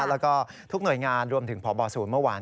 แล้วก็ทุกหน่วยงานรวมถึงพบศูนย์เมื่อวาน